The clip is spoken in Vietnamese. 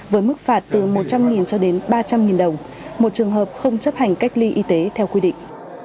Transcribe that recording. với mức phạt từ một trăm linh cho đến ba trăm linh đồng một trường hợp không chấp hành cách ly y tế theo quy định